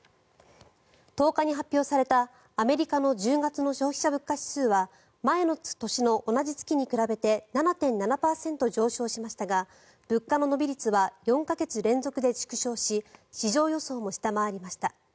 １０日に発表されたアメリカの１０月の消費者物価指数は前の年の同じ月に比べて７．７％上昇しましたが物価の伸び率は４か月連続で縮小し市場予想も下回りました。